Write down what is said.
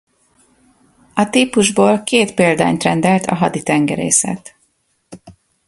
A típusból két példányt rendelt a haditengerészet.